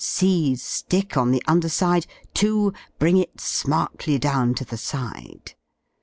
Seize Aick on the under side; 2. Bring it smartly down to the side.